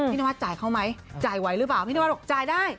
นวัดจ่ายเขาไหมจ่ายไว้หรือเปล่าพี่นวัดบอกจ่ายได้